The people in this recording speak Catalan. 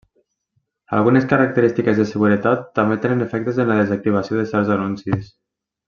Algunes característiques de seguretat també tenen efectes en la desactivació de certs anuncis.